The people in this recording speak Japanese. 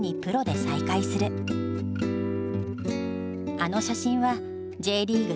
「あの写真はＪリーグ